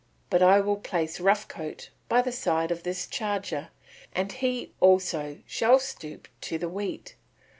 But I will place Rough Coat by the side of this charger and he also shall stoop to the wheat.